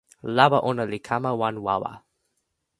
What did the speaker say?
lawa ona li kama wan wawa.